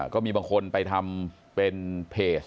ก็มีบางคนไปทำเป็นเพจ